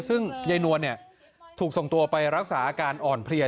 ซึ่งยายนวลถูกส่งตัวไปรักษาอาการอ่อนเพลีย